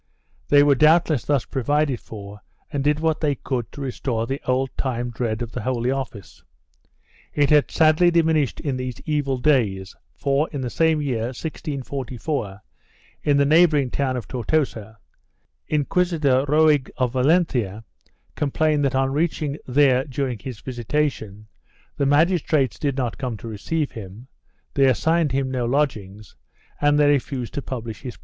They were doubtless thus provided for and did what they could to restore the old time dread of the Holy Office. It had sadly diminished in these evil days for, in this same year, 1644, in the neighboring town of Tortosa, Inquisitor Roig of Valencia complained that, on reaching there during his visitation, the magistrates did not come to receive him, they assigned him no lodgings and they refused to publish his proclamation.